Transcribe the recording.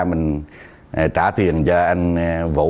mình trả tiền cho anh vũ